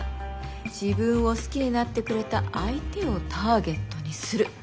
自分を好きになってくれた相手をターゲットにする。